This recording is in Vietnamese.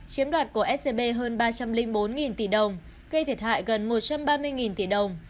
chiếm đoạt của scb hơn ba trăm linh bốn tỷ đồng gây thiệt hại gần một trăm ba mươi tỷ đồng